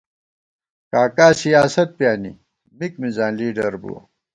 کا کا سیاست پیانی ، مِک مزان لیڈر بُوَہ